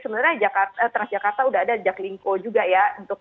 sebenarnya transjakarta udah ada jaklingko juga ya